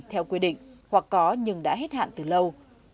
theo quy định hoặc có nhưng đã hết hạn từ lâu